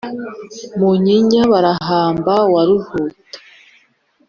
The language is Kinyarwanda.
Munyinya baharamba wa Ruhuta,